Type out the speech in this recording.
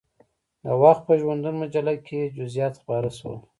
د وخت په ژوندون مجله کې یې جزئیات خپاره شول.